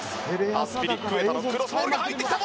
アスピリクエタのクロスボールが入ってきた！